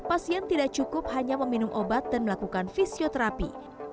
pasien tidak cukup hanya meminum obat dan melakukan fisioterapi